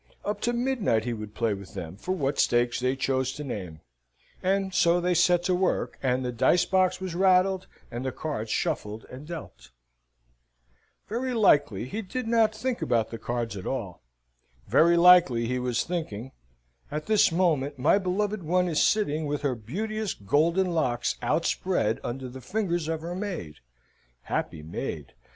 Up to midnight he would play with them for what stakes they chose to name. And so they set to work, and the dice box was rattled and the cards shuffled and dealt. Very likely he did not think about the cards at all. Very likely he was thinking; "At this moment, my beloved one is sitting with her beauteous golden locks outspread under the fingers of her maid. Happy maid!